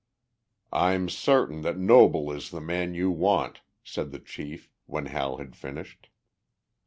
"I'm certain that Noble is the man you want," said the chief, when Hal had finished.